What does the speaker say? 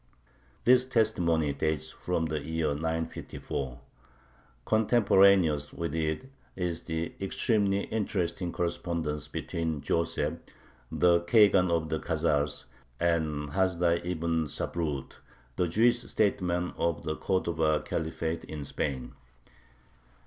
This testimony dates from the year 954. Contemporaneous with it is the extremely interesting correspondence between Joseph, the Khagan of the Khazars, and Hasdai Ibn Shaprut, the Jewish statesman of the Cordova Caliphate in Spain.